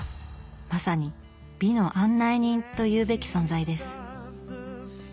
まさに「美の案内人」というべき存在です。